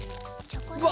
うわ